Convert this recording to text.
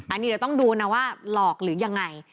อันนี้เดี๋ยวต้องดูนะว่าหลอกหรือยังไง